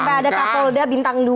sampai ada kapolda bintang dua